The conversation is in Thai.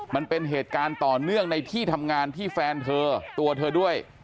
มันเป็นเหตุการณ์ต่อเนื่องในที่ทำงานที่แฟนเธอตัวเธอด้วย